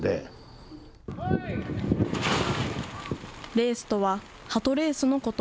レースとは、ハトレースのこと。